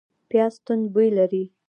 پیاز توند بوی لري